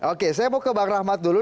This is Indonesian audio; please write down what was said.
oke saya mau ke bang rahmat dulu